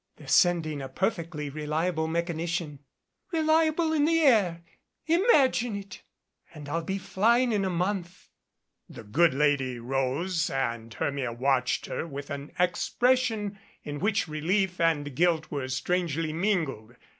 They're sending a perfectly reliable mechanician " "Reliable in the air ! Imagine it !"" and I'll be flying in a month." The good lady rose and Hermia watched her with an expression in which relief and guilt were strangely min gled.